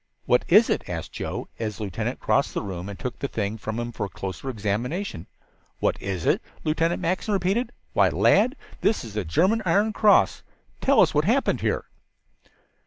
"What is it?" asked Joe, as the lieutenant crossed the room and took the thing from him for a closer examination. "What is it?" Lieutenant Mackinson repeated. "Why, lad, this is the German iron cross! Tell us what happened here."